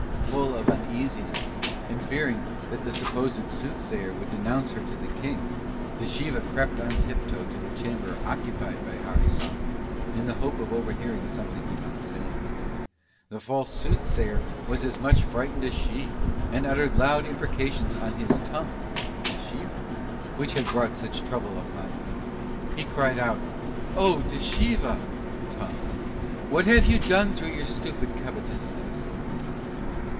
"Full of uneasiness, and fearing that the supposed Soothsayer would denounce her to the King, Dschiva crept on tiptoe to the chamber occupied by Harisarman, in the hope of overhearing something he might say. The false Soothsayer was as much frightened as she, and uttered loud imprecations on his tongue (dschiva) which had brought such trouble upon him. "He cried out: "Oh, dschiva! (tongue) what have you done through your stupid covetousness!"